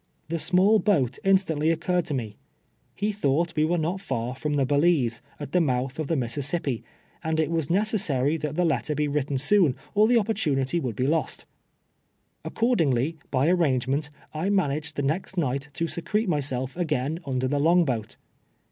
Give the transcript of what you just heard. The small boat instantly occurred to me. He tliought we were not far from the Balize, at the mouth of the Mississip pi, and it was necessary that the letter be written soon, or the op])ortunity would be lost. Accordingly, by arrangement, I managed the next night to secret myself again under the long boat.